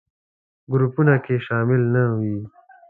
ګروپونو کې شامل نه وي.